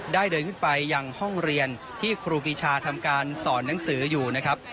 เดินขึ้นไปยังห้องเรียนที่ครูปีชาทำการสอนหนังสืออยู่นะครับ